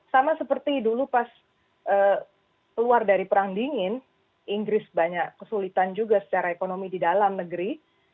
sama seperti dulu pas keluar dari perang dingin inggris banyak kesulitan juga secara ekonomi di dalam negeri